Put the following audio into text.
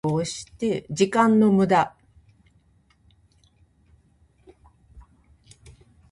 時間の無駄